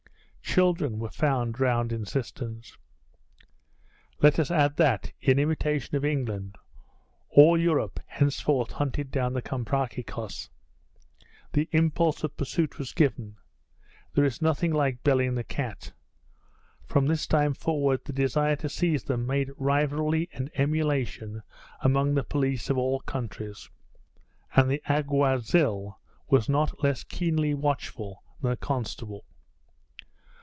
Children were found drowned in cisterns. Let us add that, in imitation of England, all Europe henceforth hunted down the Comprachicos. The impulse of pursuit was given. There is nothing like belling the cat. From this time forward the desire to seize them made rivalry and emulation among the police of all countries, and the alguazil was not less keenly watchful than the constable.